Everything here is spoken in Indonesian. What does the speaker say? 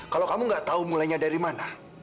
kalau kamu nggak tahu mulainya dari mana